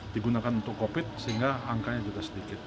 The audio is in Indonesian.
digunakan untuk covid sehingga angkanya juga sedikit